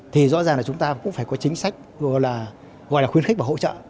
thì rõ ràng là chúng ta cũng phải có chính sách gọi là khuyến khích và hỗ trợ